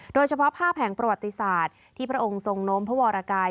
โดยเฉพาะภาพแห่งประวัติศาสตร์ที่พระองค์ทรงโน้มพระวรกาย